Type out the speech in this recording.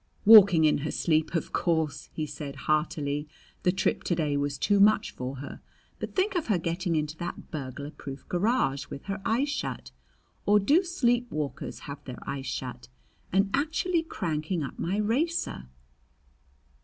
"Walking in her sleep, of course!" he said heartily. "The trip to day was too much for her. But think of her getting into that burglar proof garage with her eyes shut or do sleep walkers have their eyes shut? and actually cranking up my racer!"